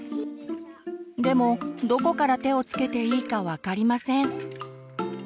でもどこから手をつけていいか分かりません。